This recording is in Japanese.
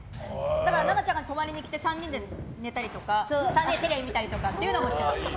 だから、奈々ちゃんが泊まりに来て３人で寝たりとか３人でテレビ見たりとかもしてました。